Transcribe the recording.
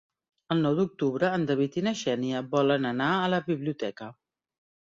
El nou d'octubre en David i na Xènia volen anar a la biblioteca.